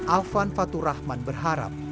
alfan faturahman berharap